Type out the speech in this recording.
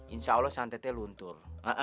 insya allah santetnya luntur